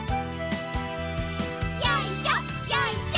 よいしょよいしょ。